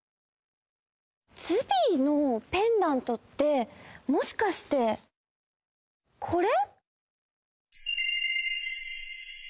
ズビーのペンダントってもしかしてこれ？